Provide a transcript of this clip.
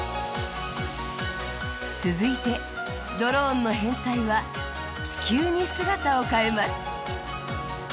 続いて、ドローンの編隊は地球に姿を変えます。